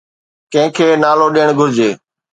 ڪنهن کي نالو ڏيڻ گهرجي؟